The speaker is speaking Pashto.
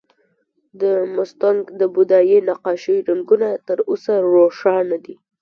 د مستونګ د بودايي نقاشیو رنګونه تر اوسه روښانه دي